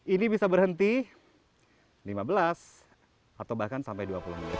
ini bisa berhenti lima belas atau bahkan sampai dua puluh menit